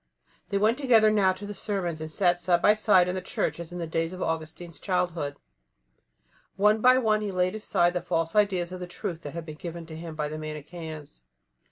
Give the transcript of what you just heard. They went together now to the sermons and sat side by side in the Church as in the days of Augustine's childhood. One by one he laid aside the false ideas of the truth that had been given to him by the Manicheans.